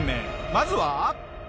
まずは。